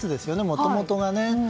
もともとがね。